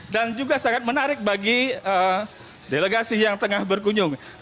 dan juga sangat menarik bagi delegasi yang tengah berkunjung